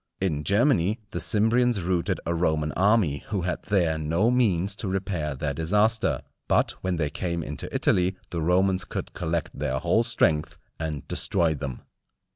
In Germany the Cimbrians routed a Roman army who had there no means to repair their disaster; but when they came into Italy, the Romans could collect their whole strength, and destroy them.